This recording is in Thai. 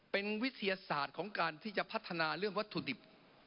เป็นวิทยาศาสตร์ของการที่จะพัฒนาเรื่องวัตถุดิบ